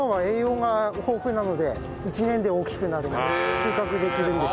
収穫できるんです。